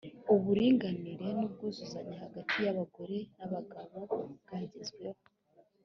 uburinganire n’ubwuzuzanye hagati y’abagore n’abagabo bwagezweho